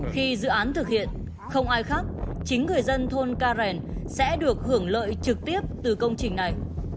khi dự án thực hiện không ai khác chính người dân thôn ca rèn sẽ được hưởng lợi trực tiếp từ công trình này